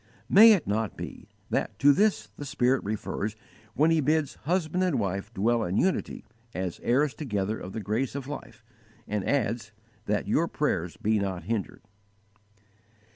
May it not be that to this the Spirit refers when He bids husband and wife dwell in unity, as "heirs together of the grace of life," and adds, _"that your prayers be not hindered"?